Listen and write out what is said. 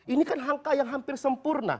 ini kan angka yang hampir sempurna